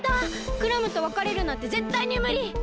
クラムとわかれるなんてぜったいにむり！